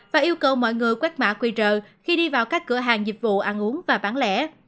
và yêu cầu mọi người quét mã qr khi đi vào các cửa hàng dịch vụ ăn uống và bán lẻ